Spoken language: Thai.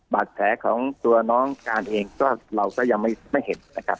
บาดแผลของตัวน้องการเองก็เราก็ยังไม่เห็นนะครับ